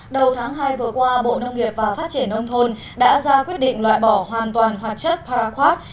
đầu tháng hai vừa qua bộ nông nghiệp và phát triển nông thôn đã ra quyết định loại bỏ hoàn toàn hóa chất paraquad